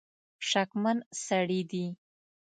شکمن سړي دي.